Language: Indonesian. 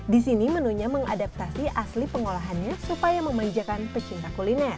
di sini menunya mengadaptasi asli pengolahannya supaya memanjakan pecinta kuliner